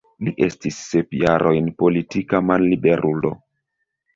Li estis sep jarojn politika malliberulo.